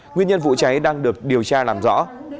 nguyên nhân vụ cháy đang được điều tra làm rõ